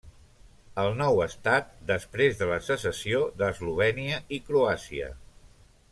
El nou Estat, després de la secessió d'Eslovènia i Croàcia.